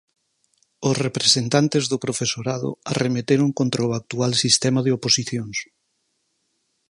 Os representantes do profesorado arremeteron contra o actual sistema de oposicións.